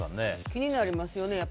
気になりますよね。